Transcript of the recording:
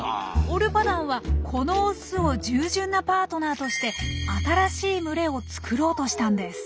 オルパダンはこのオスを従順なパートナーとして新しい群れを作ろうとしたんです。